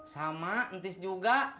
sama ntis juga